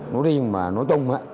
nối riêng và nối chung